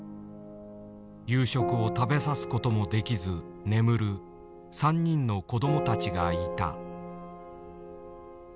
夕食を食べさすこともできず眠る３人の子供たちがいた。